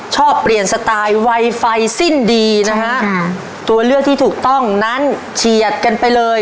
ชอบเปลี่ยนสไตล์ไวไฟสิ้นดีนะฮะตัวเลือกที่ถูกต้องนั้นเฉียดกันไปเลย